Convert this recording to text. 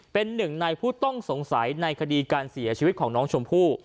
เป็นหนึ่งในผู้ต้องสงสัยในคดีการเสียชีวิตของน้องชมพู่